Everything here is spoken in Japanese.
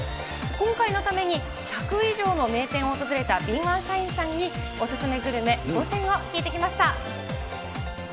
今回のために１００以上の名店を訪れた敏腕社員さんに、お勧めグルメ５選を聞いてきました。